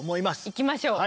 いきましょう。